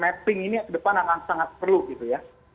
mapping ini ke depan akan sangat perlu gitu ya